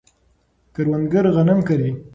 کروندګر غنم کري.